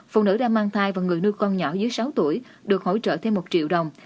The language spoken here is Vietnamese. phụ nữ đã mang thai và người nuôi con nhỏ dưới sáu tuổi được hỗ trợ thêm một triệu đồng